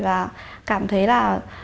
và cảm thấy là